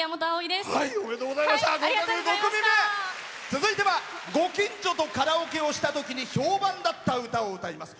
続いてはご近所とカラオケをしたときに評判だった歌を歌います。